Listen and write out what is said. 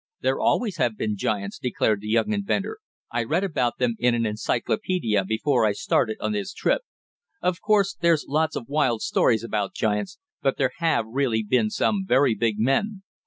"There always have been giants," declared the young inventor. "I read about them in an encyclopedia before I started on this trip. Of course there's lots of wild stories about giants, but there have really been some very big men.